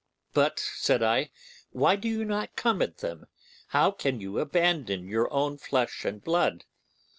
'But,' said I, 'why do you not come at them? How can you abandon your own flesh and blood?